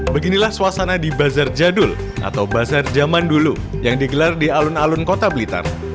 beginilah suasana di bazar jadul atau bazar zaman dulu yang digelar di alun alun kota blitar